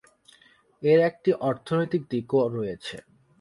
এর একটি অর্থনৈতিক দিকও রয়েছে।